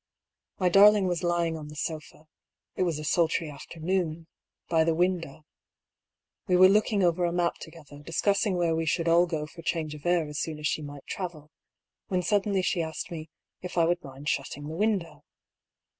My darling was lying on the sofa (it was a sultry afternoon) by the window. We were looking over a map together, discussing where we should all go for change of air as soon as she might travel, when sud denly she asked me ''if I would mind shutting the window."